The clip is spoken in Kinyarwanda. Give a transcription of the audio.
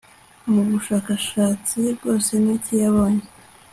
mu bushakashatsi bwose niki yabonye